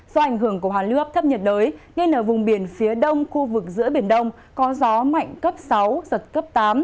do ảnh hưởng của hàn lưu áp thấp nhiệt đới ngay nở vùng biển phía đông khu vực giữa biển đông có gió mạnh cấp sáu giật cấp tám